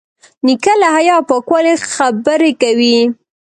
نیکه له حیا او پاکوالي خبرې کوي.